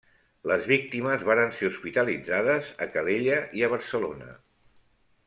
Les víctimes varen ser hospitalitzades, a Calella i a Barcelona.